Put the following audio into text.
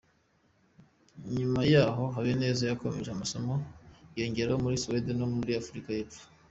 Nyuma yaho Habineza yakomeje amasomo y’inyongera muri Suède no muri Afurika y’Epfo.